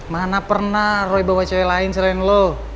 mana pernah roy bawa cewek lain selain lo